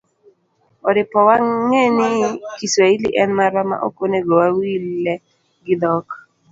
Oripo wang'e ni kiswahili en marwa ma ok onego wawile gi dhok